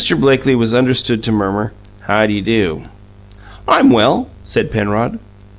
Blakely was understood to murmur, "How d'ye do?" "I'm well," said Penrod.